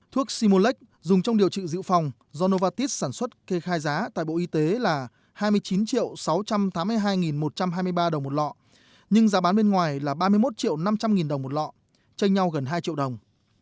thuốc simulec dùng trong điều trị dự phòng do novartis sản xuất kê khai giá tại bộ y tế là hai mươi chín sáu trăm tám mươi hai một trăm hai mươi ba đồng một lọ nhưng giá bán bên ngoài là ba mươi một triệu năm trăm linh nghìn đồng một lọ tranh nhau gần hai triệu đồng